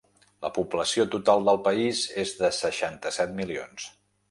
La població total del país és de seixanta-set milions.